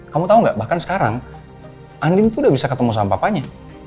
kamu tahu nggak bahkan sekarang andin tuh udah bisa ketemu sama papanya